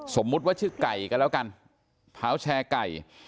สมมุติว่าชื่อไก่กันแล้วกันเท้าแชร์ไก่